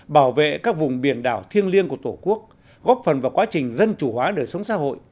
bảo vệ các vùng biển đảo thiêng liêng của tổ quốc góp phần vào quá trình dân chủ hóa đời sống xã hội